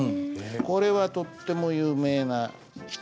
これはとっても有名な人なんですが。